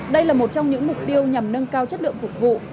đây là một trong những mục tiêu nhằm nâng cao chất lượng phục vụ